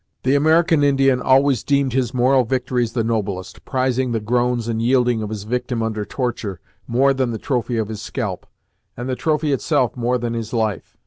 The American Indian always deemed his moral victories the noblest, prizing the groans and yielding of his victim under torture, more than the trophy of his scalp; and the trophy itself more than his life.